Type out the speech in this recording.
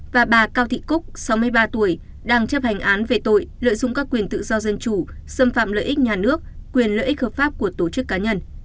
và bà cao thị cúc sáu mươi ba tuổi đang chấp hành án về tội lợi dụng các quyền tự do dân chủ xâm phạm lợi ích nhà nước quyền lợi ích hợp pháp của tổ chức cá nhân